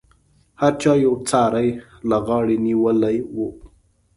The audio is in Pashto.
هر چا یو یو څاری له غاړې نیولی و.